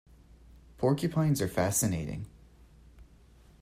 Porcupines are fascinating.